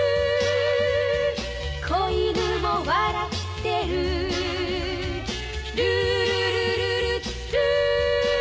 「小犬も笑ってる」「ルールルルルルー」